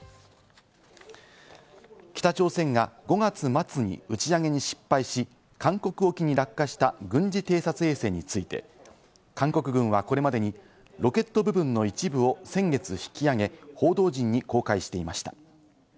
北朝鮮が５月末に打ち上げに失敗し、韓国沖に落下した軍事偵察衛星について、韓国軍はこれまでにロケット部分の一部を先月引き揚げ、報道陣に公開していました。